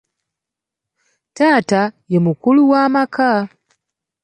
Taata ye mukulu w'amaka.